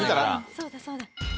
そうだそうだ。